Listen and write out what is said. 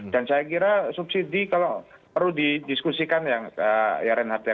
dan saya kira subsidi kalau perlu didiskusikan ya renhardt ya